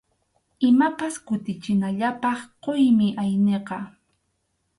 Imapas kutichinallapaq quymi ayniqa.